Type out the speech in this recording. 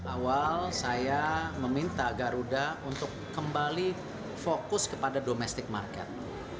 awal saya meminta garuda untuk kembali fokus kepada domestic market